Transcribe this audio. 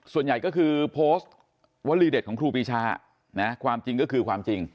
ส่วนใหญ่ก็คือโพสต์วลีเด็ดของครูปีชานะความจริงก็คือความจริง